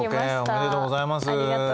ありがとうございます。